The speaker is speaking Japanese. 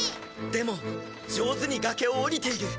でも上手に崖を下りている。